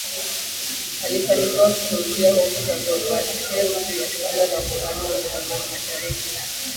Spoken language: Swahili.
alifanikiwa kutuliza hofu za Gorbachev juu ya suala la muungano wa Ujerumani Mashariki na